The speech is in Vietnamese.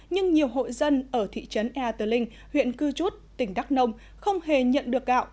nhưng nhiều hộ dân ở thị trấn ea tờ linh huyện cư chút tỉnh đắk nông không hề nhận được gạo